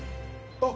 あっ。